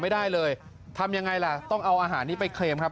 ไม่ได้เลยทำยังไงล่ะต้องเอาอาหารนี้ไปเคลมครับ